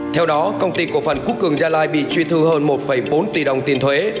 theo đó công ty cổ phần quốc cường gia lai bị truy thu hơn một bốn tỷ đồng tiền thuế